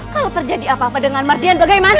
kalau terjadi apa apa dengan mardian bagaimana